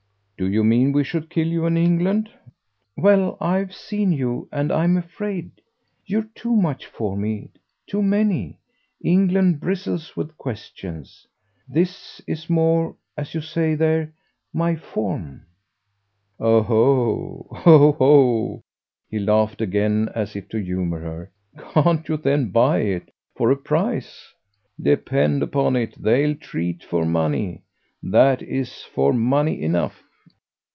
"Do you mean we should kill you in England?" "Well, I've seen you and I'm afraid. You're too much for me too many. England bristles with questions. This is more, as you say there, my form." "Oho, oho!" he laughed again as if to humour her. "Can't you then buy it for a price? Depend upon it they'll treat for money. That is for money enough."